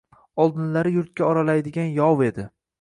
Oldinlari yurtga oralaydigan yov edi